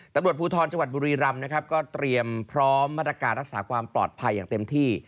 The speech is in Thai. ตำรวจภูทรจังหวัดบุรีรำนะครับก็เตรียมพร้อมมาตรการรักษาความปลอดภัยอย่างเต็มที่